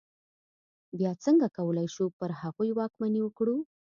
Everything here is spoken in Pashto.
بیا څنګه کولای شو پر هغوی واکمني وکړو.